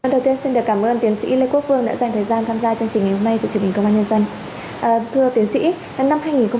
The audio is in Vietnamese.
đầu tiên xin cảm ơn tiến sĩ lê quốc phương đã dành thời gian tham gia chương trình ngày hôm nay của chủ nghĩa công an nhân dân